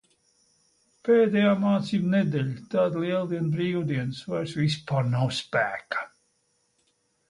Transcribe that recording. Pēdējā mācību nedēļa, tad Lieldienu brīvdienas. Vairs vispār nav spēka.